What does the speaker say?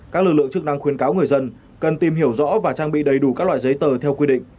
các lực lượng chức năng khuyến cáo người dân cần tìm hiểu rõ và trang bị đầy đủ các loại giấy tờ theo quy định